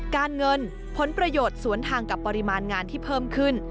การเงินผลประโยชน์สวนทางกับปริมาณงานที่เพิ่มขึ้น